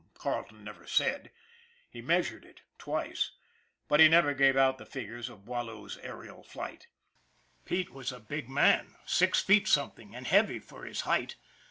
Carleton never said. He measured it twice. But he never gave out the figures of Boileau's aerial flight. Pete was a big man, six feet something, and heavy for his height.